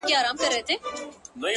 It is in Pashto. o دا ستا په ياد كي بابولاله وايم ـ